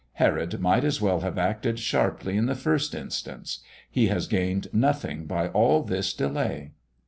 Herod might as well have acted sharply in the first instance. He has gained nothing by all this delay."